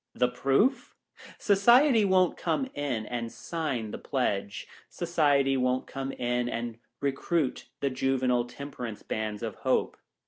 The proof ? Society won't come in and sign the pledge ; Society won't come in and recruit the Juvenile Temperance bands of hope.